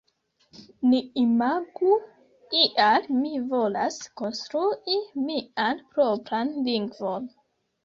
Ni imagu, ial mi volas konstrui mian propran lingvon.